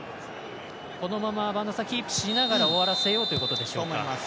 このまま播戸さんキープしながら終わらせようということでしょうか。